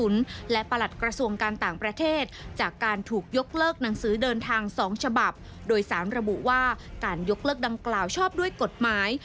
หลักเลิกดังกล่าวชอบด้วยกฎหมาย